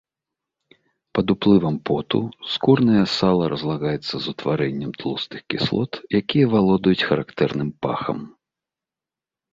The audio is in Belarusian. Пад уплывам поту скурнае сала разлагаецца з утварэннем тлустых кіслот, якія валодаюць характэрным пахам.